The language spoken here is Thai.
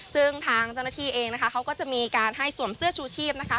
ซึ่งทางเจ้าหน้าที่เองนะคะเขาก็จะมีการให้สวมเสื้อชูชีพนะคะ